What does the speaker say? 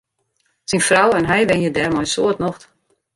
Syn frou en hy wenje dêr mei in soad nocht.